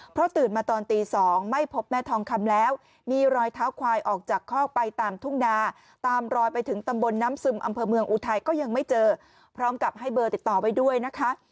เพราะตื่นมาตอนตี๒ไม่พบแม่ทองคำแล้วมีรอยเท้าควายออกจากคอกไปตามทุ่งนาตามรอยไปถึงตำบลน้ำซึมอำเภอเมืองอุทัยก็ยังไม่เจอพร้อมกับให้เบอร์ติดต่อไว้ด้วยนะคะ